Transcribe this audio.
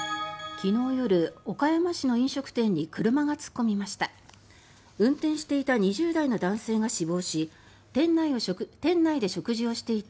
昨日夜、岡山市の飲食店に車が突っ込みました。